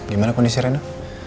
gimana kondisi rena